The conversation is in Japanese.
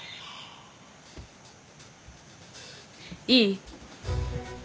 いい？